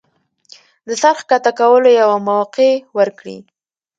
د سر ښکته کولو يوه موقع ورکړي